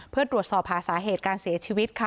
เพื่อตรวจสอบหาสาเหตุการเสียชีวิตค่ะ